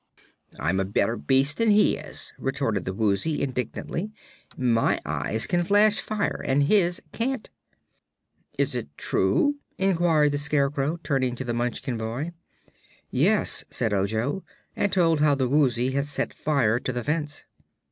"I'm a better beast than he is," retorted the Woozy, indignantly. "My eyes can flash fire, and his can't." "Is this true?" inquired the Scarecrow, turning to the Munchkin boy. "Yes," said Ojo, and told how the Woozy had set fire to the fence.